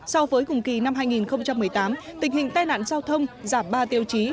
so với cùng kỳ năm hai nghìn một mươi tám tình hình tai nạn giao thông giảm ba tiêu chí